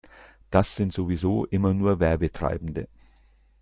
Das sind sowieso immer nur Werbetreibende.